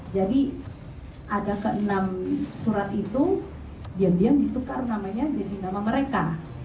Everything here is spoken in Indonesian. jadi ada ke enam surat itu diam diam ditukar namanya jadi nama mereka